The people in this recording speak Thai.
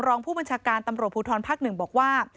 รองผู้บัญชาการตำรวจภูทรภาค๑บอกว่า